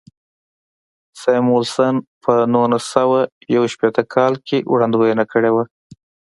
ساموېلسن په نولس سوه یو شپېته کال کې وړاندوینه کړې وه.